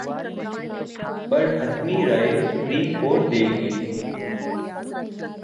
پر حتمی رائے supreme court دے گی۔